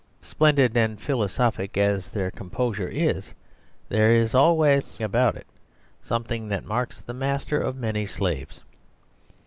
Splendid and philosophic as their composure is there is always about it something that marks the master of many slaves.